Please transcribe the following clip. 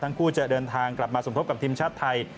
ทั้งคู่จะเดินทางกลับมาสมทบกับทีมชาติไทย